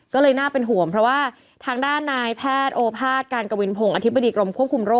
ก็เลยน่าเป็นห่วงเพราะว่าทางด้านนายแพทย์โอภาษย์การกวินพงศ์อธิบดีกรมควบคุมโรค